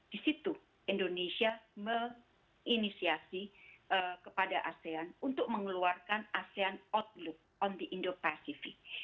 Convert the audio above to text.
di situ indonesia menginisiasi kepada asean untuk mengeluarkan asean outlook on the indo pacific